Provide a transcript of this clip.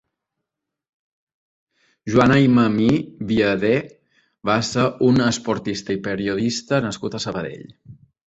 Joan Aymamí Viadé va ser un esportista i periodista nascut a Sabadell.